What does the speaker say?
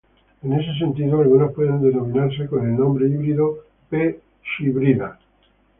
En ese sentido, algunos pueden denominarse con el nombre híbrido "P. ×hybrida".